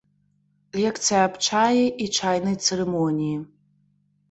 Лекцыя аб чаі і чайнай цырымоніі.